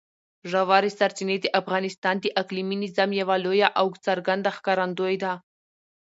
ژورې سرچینې د افغانستان د اقلیمي نظام یوه لویه او څرګنده ښکارندوی ده.